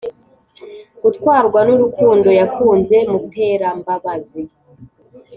gutwarwa nurukundo yakunze muterambabazi!